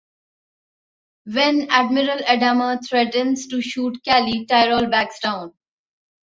When Admiral Adama threatens to shoot Cally, Tyrol backs down.